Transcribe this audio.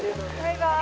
バイバーイ。